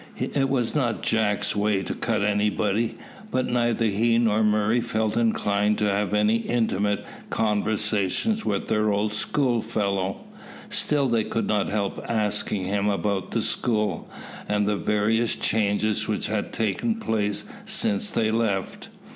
It was not Jack's way to cut anybody, but neither he nor Murray felt inclined to have any intimate conversation with their old schoolfellow. Still they could not help asking him about the school, and the various changes which had taken place since they left.